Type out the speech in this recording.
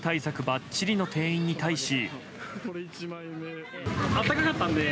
ばっちりの店員に対し。